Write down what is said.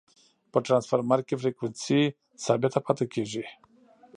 په ټرانسفرمر کی فریکوینسي ثابته پاتي کیږي.